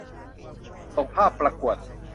ส่งภาพประกวด